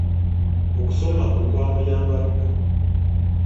Okusoma kwe kwamuyamba nnyo.